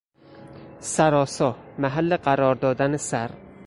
سرآسا، محل قرار دادن سر